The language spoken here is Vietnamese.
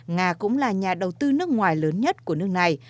nga cũng là nhà đầu tư nước ngoài lớn nhất của nước này